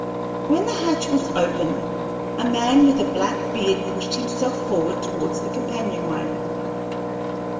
When the hatch was opened a man with a black beard pushed himself forward towards the companionway.